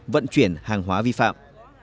vận chuyển hàng hóa vi phạm